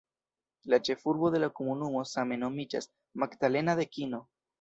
La ĉefurbo de la komunumo same nomiĝas "Magdalena de Kino".